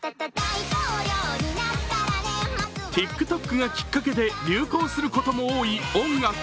ＴｉｋＴｏｋがきっかけで流行することも多い音楽。